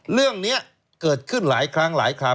เรื่องนี้เกิดขึ้นหลายครั้งหลายคราว